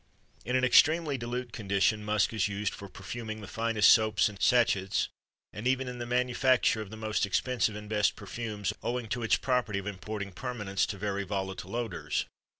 In an extremely dilute condition musk is used for perfuming the finest soaps and sachets, and even in the manufacture of the most expensive and best perfumes, owing to its property of imparting permanence to very volatile odors.